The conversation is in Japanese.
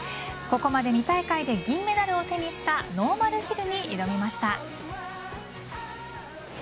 ここまで２大会連続で銀メダルを手にしたノーマルヒルに挑みました。